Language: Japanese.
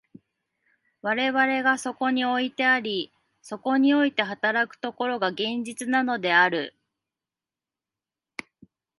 我々がそこにおいてあり、そこにおいて働く所が、現実なのである。